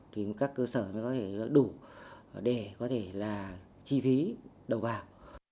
thì các cơ sở mới có thể đủ để có thể là chi phí đầu vào